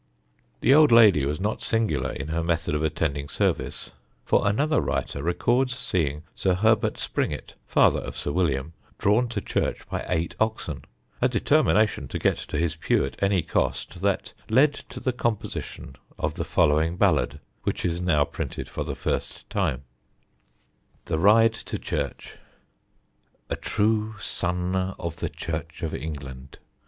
The old lady was not singular in her method of attending service, for another writer records seeing Sir Herbert Springett, father of Sir William, drawn to church by eight oxen: a determination to get to his pew at any cost that led to the composition of the following ballad, which is now printed for the first time: [Sidenote: THE RIDE TO CHURCH] THE RIDE TO CHURCH. "A true sonne of the Church of England."